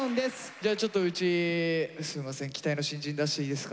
じゃあちょっとうちすいません期待の新人出していいですか？